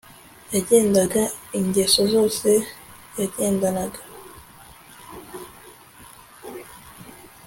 yagendanaga ingeso zose yagendanaga